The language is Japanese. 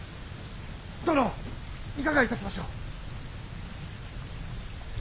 殿いかがいたしましょう？